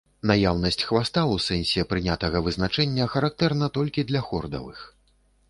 Наяўнасць хваста у сэнсе прынятага вызначэння характэрна толькі для хордавых.